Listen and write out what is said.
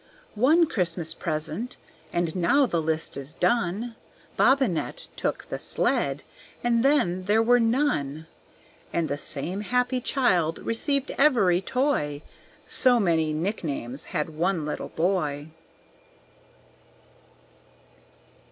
One Christmas present and now the list is done; Bobbinet took the sled, and then there were none. And the same happy child received every toy, So many nicknames had one little boy.